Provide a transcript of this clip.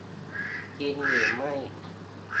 จริงหรือไม่ ?